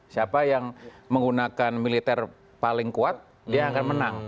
siapa yang menggunakan militer paling kuat dia akan menang